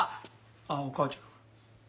あっお母ちゃん。